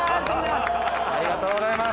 ありがとうございます。